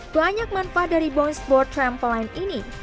banyak manfaat dari bounce board trampoline ini